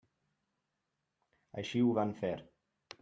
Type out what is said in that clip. Així ho van fer.